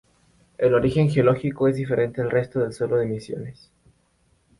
El origen geológico es diferente al resto del suelo de Misiones.